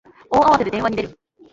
大慌てで電話に出る